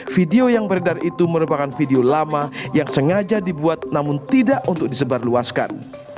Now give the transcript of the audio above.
video yang beredar itu merupakan video lama yang sengaja dibuat namun tidak untuk disebarluaskan